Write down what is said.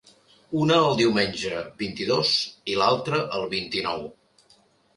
Una el diumenge, vint-i-dos, i l’altra el vint-i-nou.